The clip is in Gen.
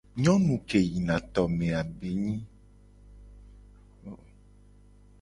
Nyonu ke yina tome be nyi.